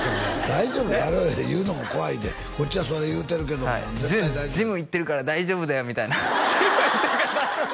大丈夫やろうよ言うのも怖いでこっちはそう言うてるけど「ジム行ってるから大丈夫だよ」みたいな「ジム行ってるから大丈夫」？